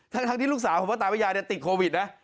ทั้งที่ลูกสาวของพ่อตาพระยายติดโควิดนะ